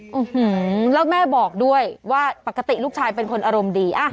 อืมแล้วแม่บอกด้วยว่าปกติลูกชายเป็นคนอารมณ์ดีอ่ะ